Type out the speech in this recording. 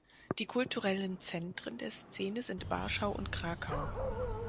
Die kulturellen Zentren der Szene sind Warschau und Krakau.